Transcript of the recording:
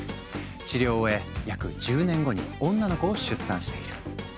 治療を終え約１０年後に女の子を出産している。